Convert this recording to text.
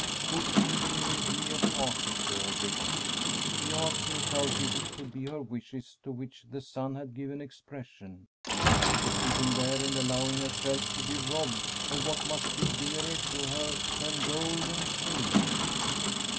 Could she really be a party to all this? He asked himself if it could be her wishes to which the son had given expression. She was sitting there and allowing herself to be robbed of what must be dearer to her than gold and silver.